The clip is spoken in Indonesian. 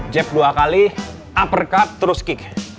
jack dua kali uppercut terus kick